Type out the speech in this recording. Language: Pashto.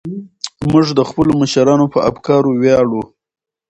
موږ د خپلو مشرانو په افکارو ویاړو.